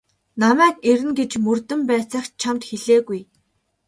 Намайг ирнэ гэж мөрдөн байцаагч чамд хэлээгүй.